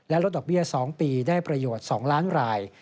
ลดดอกเบี้ย๒ปีได้ประโยชน์๒ล้านราย